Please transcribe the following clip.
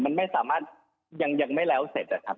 มันไม่สามารถยังไม่แล้วเสร็จอะครับ